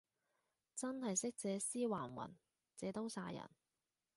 真係識借屍還魂，借刀殺人